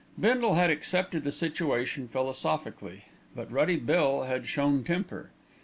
Bindle had accepted the situation philosophically; but Ruddy Bill had shown temper.